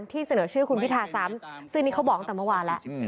เสนอชื่อคุณพิธาซ้ำซึ่งนี่เขาบอกตั้งแต่เมื่อวานแล้ว